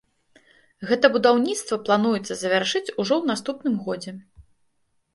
Гэта будаўніцтва плануецца завяршыць ужо ў наступным годзе.